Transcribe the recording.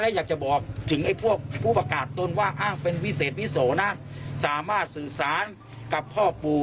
และอยากจะบอกถึงไอ้พวกผู้ประกาศตนว่าอ้างเป็นวิเศษวิโสนะสามารถสื่อสารกับพ่อปู่